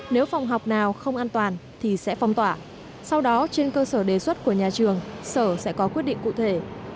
nếu phòng học nào không an toàn thì sẽ phong tỏa sau đó trên cơ sở đề xuất của nhà trường sở sẽ có quyết định cụ thể